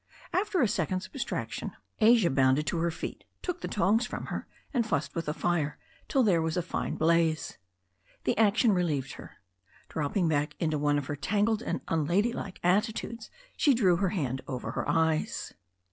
After a second's abstraction Asia bounded to her feet, took the tongs from her, and fussed with the fire till there was a 22^ THE STORY OF A NEW ZEALAND RIVER 229 fine blaze. The action relieved her. Dropping back into one of her tangled and unlady like attitudes, she drew her hand over her eyes.